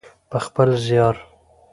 په خپل زیار.